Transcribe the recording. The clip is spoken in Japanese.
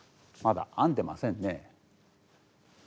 まだ編んでませんね。